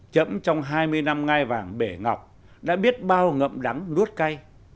chấm trong hai mươi năm ngai vàng bể ngọc đã biết bao ngậm đắng luốt cay